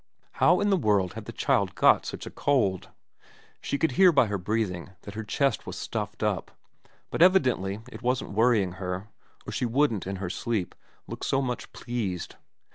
How in the world had the child got such a cold. She could hear by her breathing that her chest was stuffed up, but evidently it wasn't worry ing her, or she wouldn't in her sleep look so much pleased.